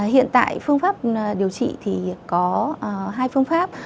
hiện tại phương pháp điều trị thì có hai phương pháp